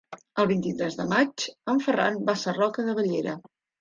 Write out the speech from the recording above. El vint-i-tres de maig en Ferran va a Sarroca de Bellera.